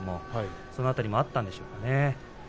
その辺りもあったんでしょうね。